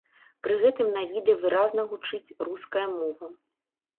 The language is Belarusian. Пры гэтым на відэа выразна гучыць руская мова.